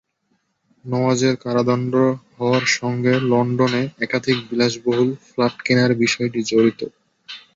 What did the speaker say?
নওয়াজের কারাদণ্ড হওয়ার সঙ্গে লন্ডনে একাধিক বিলাসবহুল ফ্ল্যাট কেনার বিষয়টি জড়িত।